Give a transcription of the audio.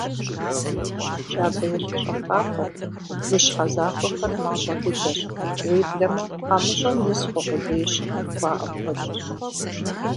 Джабэ елъэщӏэхахэр, бгыщхьэ захуэхэр мащӏэ дыдэщ, уеблэмэ «ӏэмыщӏэм из хъу къудейщ» жыхуаӏэм хуэдэщ.